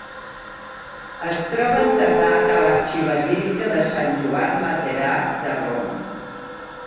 Es troba enterrat a l'Arxibasílica de Sant Joan Laterà de Roma.